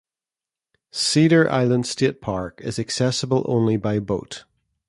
Cedar Island State Park is accessible only by boat.